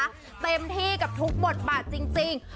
เต็มที่กับทุกบทบาทจริง